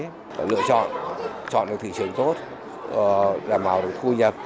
chúng ta phải lựa chọn chọn được thị trường tốt làm hào được khu nhập